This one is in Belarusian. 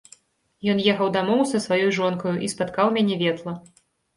Ён ехаў дамоў са сваёй жонкаю і спаткаў мяне ветла.